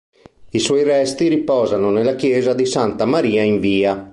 I suoi resti riposano nella chiesa di Santa Maria in Via.